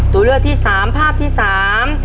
ตัวเลือกที่สามภาพที่สาม